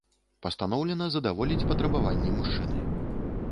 Пастаноўлена задаволіць патрабаванні мужчыны.